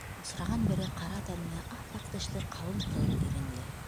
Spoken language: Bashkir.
Осраған бере ҡара тәнле, ап-аҡ тешле, ҡалын ҡыҙыл иренле.